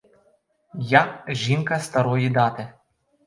Я — жінка старої дати.